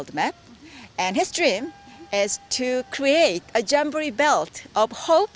dan mimpimu adalah untuk membuat jambore pakaian semangat